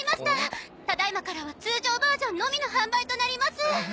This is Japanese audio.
ただ今からは通常バージョンのみの販売となります。